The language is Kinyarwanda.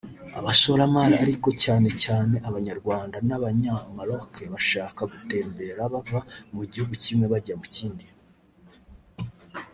abashoramari ariko cyane cyane Abanyarwanda n’Abanya-Maroc bashaka gutembera bava mu gihugu kimwe bajya mu kindi